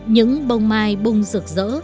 những bông mai bung rực rỡ